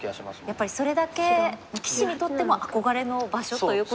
やっぱりそれだけ棋士にとっても憧れの場所という。